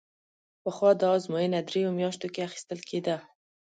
پخوا دا ازموینه درېیو میاشتو کې اخیستل کېده.